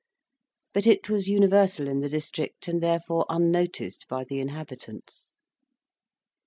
But it was universal in the district, and therefore unnoticed by the inhabitants.